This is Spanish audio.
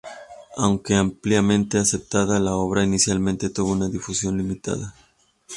Aunque ampliamente aceptada, la obra inicialmente tuvo una difusión limitada.